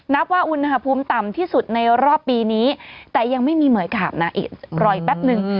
นับว่าอุณหภูมิต่ำที่สุดในรอบปีนี้แต่ยังไม่มีเหมือยขาบนะอีกรออีกแป๊บนึง